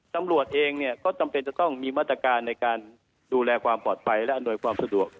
ตำรวจเองก็จำเป็นจะต้องมีมาตรการในการดูแลความปลอดภัยและอำนวยความสะดวก